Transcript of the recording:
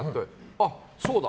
あ、そうだ。